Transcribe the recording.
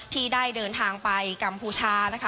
ที่ได้เดินทางไปกัมพูชานะคะ